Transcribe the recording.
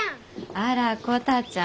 あらコタちゃん。